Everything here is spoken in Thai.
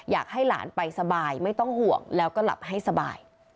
อยากให้หลานไปสบายไม่ต้องห่วงแล้วก็หลับให้สบาย